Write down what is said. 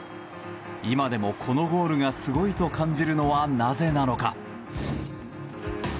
今でもこのゴールがすごいと感じるのはなぜなのか。